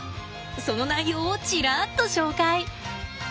その内容をちらっと紹介。